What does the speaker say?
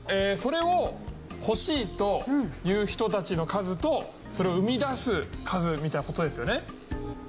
それを欲しいという人たちの数とそれを生み出す数みたいな事ですよね？